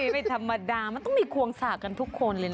ไม่ธรรมดามันต้องมีควงสากกันทุกคนเลยนะ